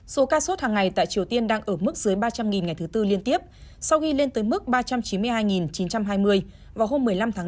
số ca sốt hàng ngày tại triều tiên đang ở mức dưới ba trăm linh ngày thứ tư liên tiếp sau khi lên tới mức ba trăm chín mươi hai chín trăm hai mươi vào hôm một mươi năm tháng năm